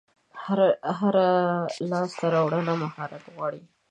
هره لاسته راوړنه مهارت غواړي.